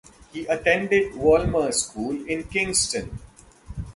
He attended Wolmer's School in Kingston.